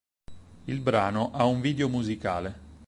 Il brano ha un video musicale.